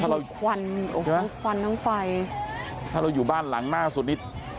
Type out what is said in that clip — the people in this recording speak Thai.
ถ้าเราควันควันทั้งไฟถ้าเราอยู่บ้านหลังหน้าสุดนิด